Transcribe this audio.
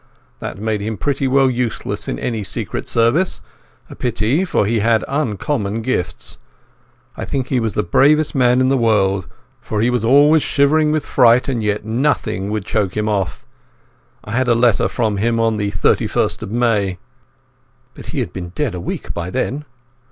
That made him pretty well useless in any Secret Service—a pity, for he had uncommon gifts. I think he was the bravest man in the world, for he was always shivering with fright, and yet nothing would choke him off. I had a letter from him on the 31st of May." "But he had been dead a week by then."